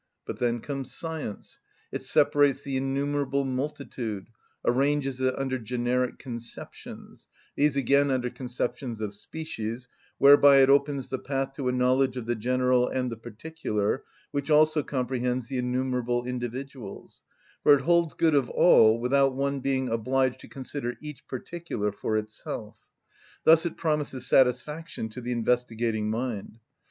But then comes science: it separates the innumerable multitude, arranges it under generic conceptions, these again under conceptions of species, whereby it opens the path to a knowledge of the general and the particular, which also comprehends the innumerable individuals, for it holds good of all without one being obliged to consider each particular for itself. Thus it promises satisfaction to the investigating mind.